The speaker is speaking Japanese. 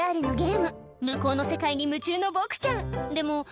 ＶＲのゲーム向こうの世界に夢中のボクちゃんでも